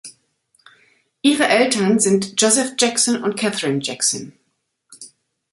Ihre Eltern sind Joseph Jackson und Katherine Jackson.